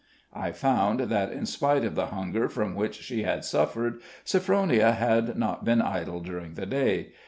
I found that in spite of the hunger from which she had suffered, Sophronia had not been idle during the day.